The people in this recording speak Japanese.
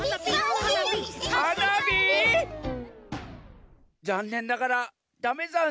ざんねんながらだめざんす。